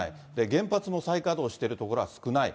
原発も再稼働している所は少ない。